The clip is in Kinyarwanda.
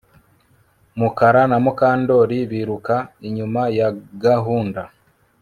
Mukara na Mukandoli biruka inyuma ya gahunda